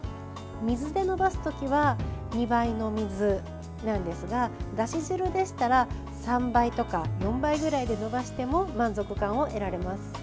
水でのばす時は２倍の水なんですがだし汁でしたら３倍とか４倍ぐらいでのばしても満足感を得られます。